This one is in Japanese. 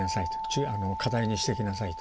課題にしていきなさいと。